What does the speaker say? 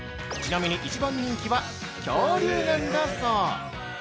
ちなみに、一番人気は恐竜なんだそう。